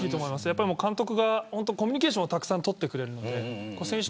監督がコミュニケーションをたくさん取ってくれるので。